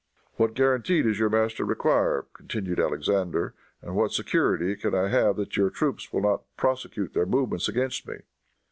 "What guarantee does your master require," continued Alexander, "and what security can I have that your troops will not prosecute their movements against me?"